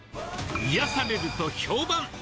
癒やされると評判。